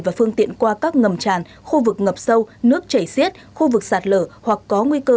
và phương tiện qua các ngầm tràn khu vực ngập sâu nước chảy xiết khu vực sạt lở hoặc có nguy cơ